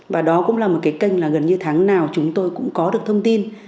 và đó cũng là một cái kênh là gần như tháng nào chúng tôi cũng có được thông tin